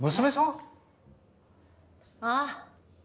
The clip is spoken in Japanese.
ああ。